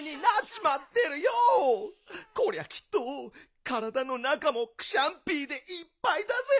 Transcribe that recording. こりゃきっとからだのなかもクシャンピーでいっぱいだぜ。